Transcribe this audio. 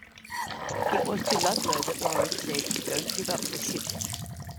It was to Ludlow that Lawrence said Don't give up the ship.